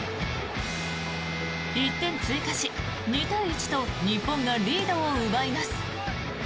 １点追加し、２対１と日本がリードを奪います。